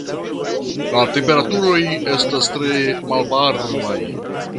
La temperaturoj estas tre malvarmaj.